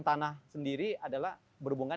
tanah sendiri adalah berhubungan